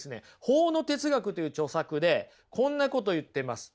「法の哲学」という著作でこんなこと言ってます。